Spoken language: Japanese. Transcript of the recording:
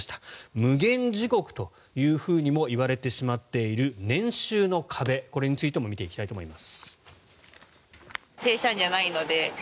無間地獄というふうにも言われてしまっている年収の壁、これについても見ていきたいと思います。